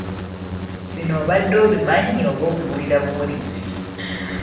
Bino obadde obimanyi oba obiwulira buwulizi?